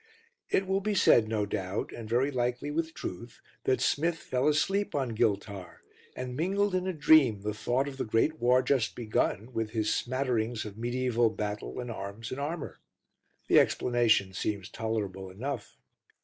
It will be said, no doubt, and very likely with truth, that Smith fell asleep on Giltar, and mingled in a dream the thought of the great war just begun with his smatterings of mediæval battle and arms and armour. The explanation seems tolerable enough.